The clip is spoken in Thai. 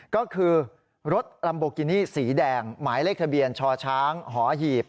ก็คือรถลัมโบกินี่สีแดงหมายเลขทะเบียนชช้างหอหีบ